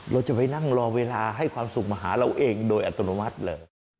เราจะไปนั่งรอเวลาให้ความสุขมาหาเราเองโดยอัตโนมัติเลย